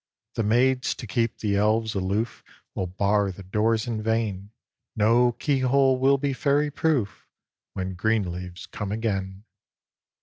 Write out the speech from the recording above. The maids, to keep the Elves aloof, Will bar the doors in vain; No keyhole will be Fairy proof, When green leaves come again.